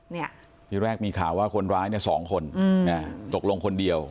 เนี่ยที่แรกมีข่าวว่าคนร้ายเนี่ยสองคนตกลงคนเดียว